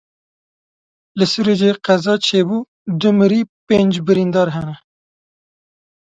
Li Sirûcê qeza çê bû du mirî, pênc birîndar hene.